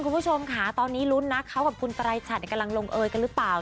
คุณผู้ชมค่ะตอนนี้ลุ้นนะเขากับคุณปรายชัดกำลังลงเอยกันหรือเปล่า